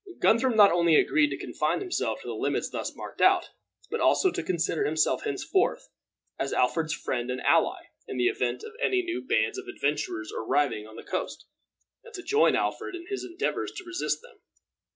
Guthrum not only agreed to confine himself to the limits thus marked out, but also to consider himself henceforth as Alfred's friend and ally in the event of any new bands of adventurers arriving on the coast, and to join Alfred in his endeavors to resist them.